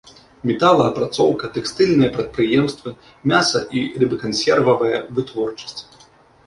Металаапрацоўка, тэкстыльныя прадпрыемствы, мяса- і рыбакансервавая вытворчасць.